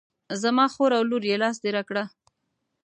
زما خور او لور یې لاس دې را کړه.